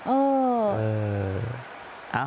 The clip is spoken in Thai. เออ